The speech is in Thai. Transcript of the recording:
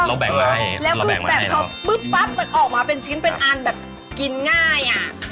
แบ่งไว้แล้วคือแบบพอปุ๊บปั๊บมันออกมาเป็นชิ้นเป็นอันแบบกินง่ายอ่ะ